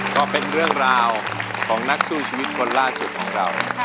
ก็เป็นเรื่องราวของนักสู้ชีวิตคนล่าสุดของเรา